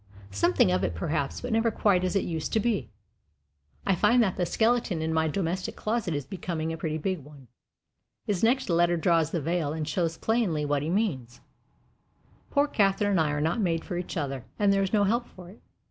Something of it, perhaps, but never quite as it used to be. I find that the skeleton in my domestic closet is becoming a pretty big one. His next letter draws the veil and shows plainly what he means: Poor Catherine and I are not made for each other, and there is no help for it.